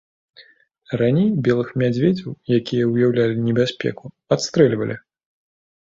Раней белых мядзведзяў, якія ўяўлялі небяспеку, адстрэльвалі.